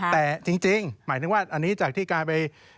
แต่จริงหมายถึงว่าอันนี้จากที่การไป